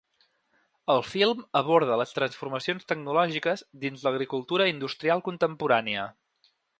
El film aborda les transformacions tecnològiques dins l’agricultura industrial contemporània.